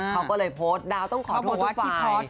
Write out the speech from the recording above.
เขาก็เลยโพสต์ดาวต้องขอโทษทุกฝ่าย